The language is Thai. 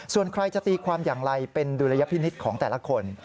ส่วนใครจะตีความอย่างไรเป็นดุลยพินิษฐ์ของแต่ละคน